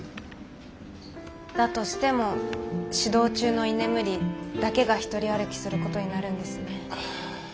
だとしても指導中の居眠りだけが独り歩きする事になるんですね。